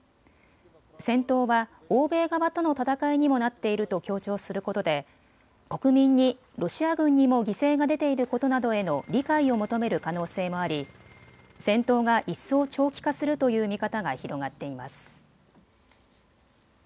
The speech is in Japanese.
戦闘は欧米側との戦いにもなっていると強調することで国民にロシア軍にも犠牲が出ていることなどへの理解を求める可能性もあり戦闘が一層、長期化するという見方が広がっています。